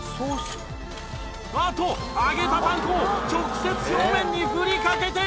あっと揚げたパン粉を直接表面に振りかけていきます